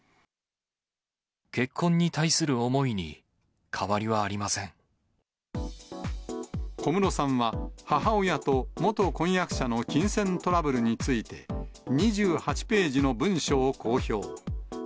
結婚に対する思いに変わりは小室さんは、母親と元婚約者の金銭トラブルについて、２８ページの文書を公表。